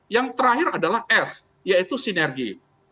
yang terakhir adalah s yaitu sinergi